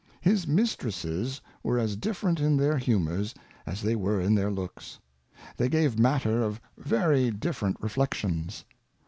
His Mistresses were as different in their Humours, as they were in their Looks. They gave Matter of very different Reflec tions.